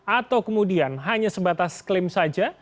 atau kemudian hanya sebatas klaim saja